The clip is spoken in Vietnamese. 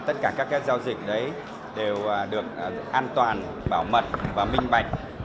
tất cả các giao dịch đấy đều được an toàn bảo mật và minh bạch